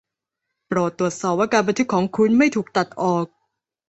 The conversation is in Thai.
โปรดตรวจสอบว่าการบันทึกของคุณไม่ถูกตัดออก